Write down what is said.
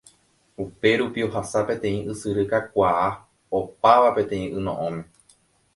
Upérupi ohasa peteĩ ysyry kakuaa opáva peteĩ yno'õme.